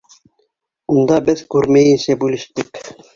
Унда беҙ күрмәйенсә бүлештек.